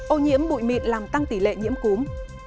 ô nhiễm bụi mịn làm tăng tỷ lệ nhiễm cúm